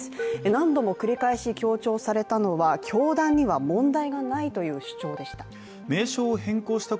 何度も繰り返し強調されたのは教団には問題がないという主張でした。